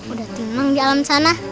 udah timang di alam sana